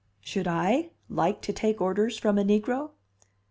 Should I "like to take orders from a negro?"